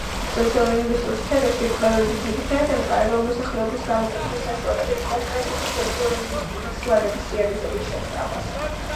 სოციოლინგვისტიკის სფეროში კვლევები ძირითადად ემყარება მოსახლეობის გამოკითხვის საშუალებით კონკრეტული სოციოლინგვისტური ცვლადების რეალიზების შესწავლას.